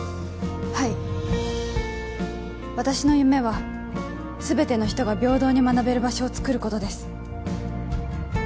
はい私の夢はすべての人が平等に学べる場所を作ることです